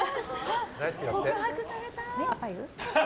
告白された。